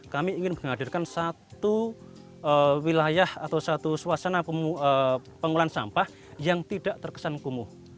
kami ingin menghadirkan satu wilayah atau satu suasana pengolahan sampah yang tidak terkesan kumuh